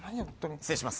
失礼します。